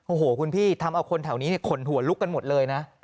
โอ้โหคุณพี่ทำเอาคนแถวนี้ขนหัวลุกกันหมดเลยนะ